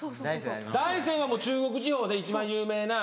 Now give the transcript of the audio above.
大山はもう中国地方で一番有名な。